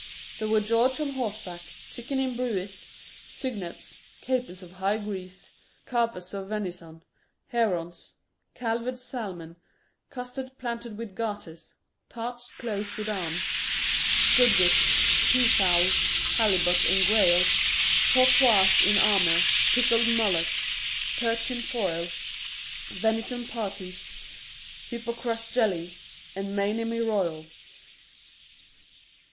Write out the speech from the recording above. There were Georges on horseback, chickens in brewis, cygnets, capons of high grease, carpes of venison, herons, calvered salmon, custards planted with garters, tarts closed with arms, godwits, peafowl, halibut engrailed, porpoise in armour, pickled mullets, perch in foyle, venison pasties, hypocras jelly, and mainemy royal.